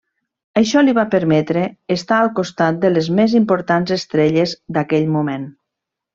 Això li va permetre estar al costat de les més importants estrelles d'aquell moment.